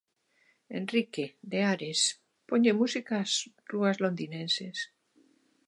Enrique, de Ares, ponlle música ás rúas londinienses.